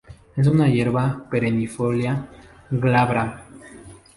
Es un hierba perennifolia, glabra.